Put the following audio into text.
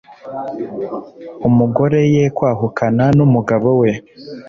umugore ye kwahukana n'umugabo we